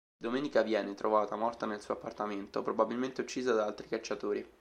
Domenica viene trovata morta nel suo appartamento, probabilmente uccisa da altri cacciatori.